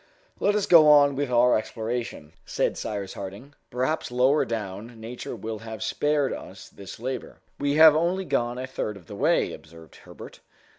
"Let us go on with our exploration," said Cyrus Harding. "Perhaps lower down, nature will have spared us this labor." "We have only gone a third of the way," observed Herbert.